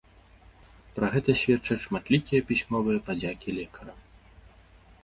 Пра гэта сведчаць шматлікія пісьмовыя падзякі лекарам.